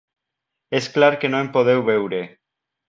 És clar que no em podeu veure.